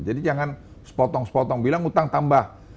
jadi jangan sepotong sepotong bilang utang tambah